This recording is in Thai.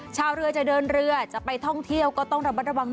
ชาวเรือจะเดินเรือจะไปท่องเที่ยวก็ต้องระมัดระวัง